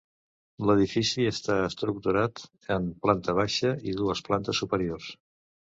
L'edifici està estructurat en planta baixa i dues plantes superiors.